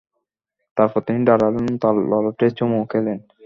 তারপর তিনি দাঁড়ালেন ও তার ললাটে চুমু খেলেন।